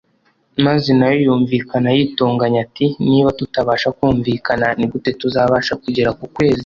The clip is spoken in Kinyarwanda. maze nawe yumvikana yitonganya ati “Niba tutabasha kumvikana ni gute tuzabasha kugera ku kwezi